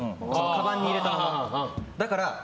かばんに入れたまま。